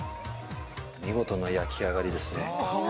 見事な焼き上がりですね。